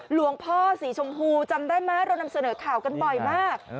หลวงพ่อสีชมพูจำได้ไหมเรานำเสนอข่าวกันบ่อยมาก